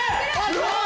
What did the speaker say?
すごい！